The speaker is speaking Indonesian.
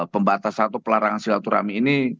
pembatas satu pelarangan silaturahmi ini